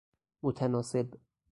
متناسب